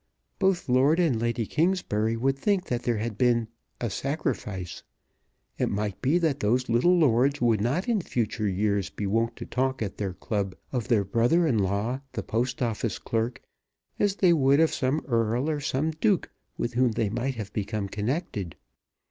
Both Lord and Lady Kingsbury would think that there had been a sacrifice. It might be that those little lords would not in future years be wont to talk at their club of their brother in law, the Post Office clerk, as they would of some earl or some duke with whom they might have become connected.